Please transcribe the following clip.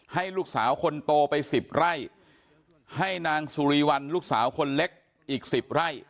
ให้ลูกสาวคนโตไปสิบไร่ให้นางสุรีวัลลูกสาวคนเล็กอีกสิบไร่